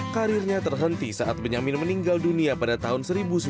karirnya terhenti saat benyamin meninggal dunia pada tahun seribu sembilan ratus sembilan puluh